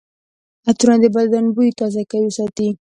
عطرونه د بدن بوی تازه ساتي.